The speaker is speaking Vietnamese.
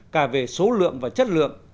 cả về số lượng và chất lượng